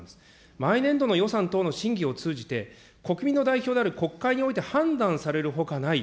毎年度の予算等の審議を通じて、国民の代表である国会において判断されるほかない。